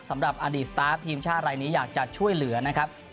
สำหรับอดีตสตาร์ฟทีมชาติรายนี้อยากจะช่วยเหลือนะครับ